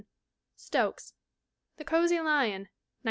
Stokes. The Cozy Lion, 1907.